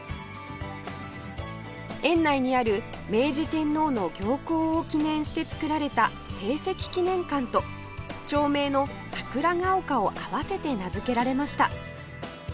園内にある明治天皇の行幸を記念して造られた聖蹟記念館と町名の桜ヶ丘を合わせて名付けられました